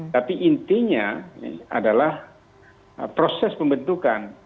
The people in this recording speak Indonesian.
tapi intinya adalah proses pembentukan